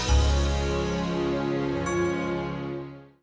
emanya udah pulang kok